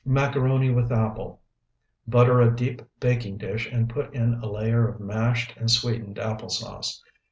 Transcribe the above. MACARONI WITH APPLE Butter a deep baking dish and put in a layer of mashed and sweetened apple sauce.